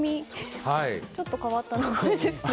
ちょっと変わった名前ですね。